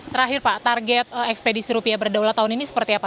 terakhir pak target ekspedisi rupiah berdaulat tahun ini seperti apa